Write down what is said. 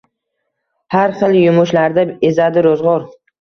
Har xil yumushlarda ezadi ro‘zg‘or